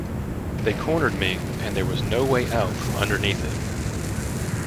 They cornered me, and there was no way out from underneath it.